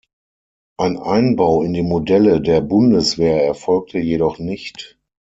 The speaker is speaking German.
Ein Einbau in die Modelle der Bundeswehr erfolgte jedoch nicht.